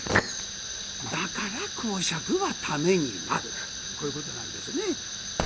だから講釈はためになるとこういうことなんですね。